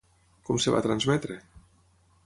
Com es va transmetre?